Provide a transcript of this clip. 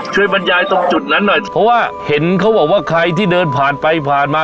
บรรยายตรงจุดนั้นหน่อยเพราะว่าเห็นเขาบอกว่าใครที่เดินผ่านไปผ่านมา